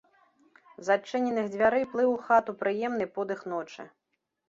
З адчыненых дзвярэй плыў у хату прыемны подых ночы.